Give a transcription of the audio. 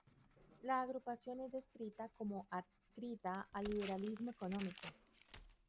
La agrupación es descrita como adscrita al liberalismo económico.